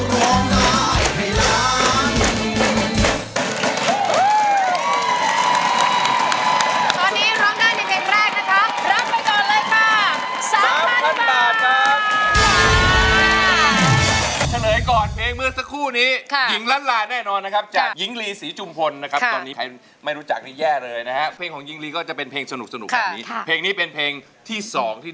รวมใจรวมใจรวมใจรวมใจ